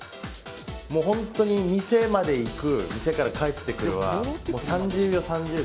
もう本当に店まで行く店から帰ってくるは３０秒３０秒。